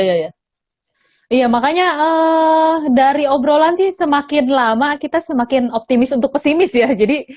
iya ya makanya dari obrolan sih semakin lama kita semakin optimis untuk pesimis ya jadi